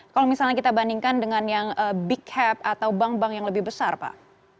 kalau misalnya kita bandingkan dengan yang big cap atau bank bank yang lebih besar pak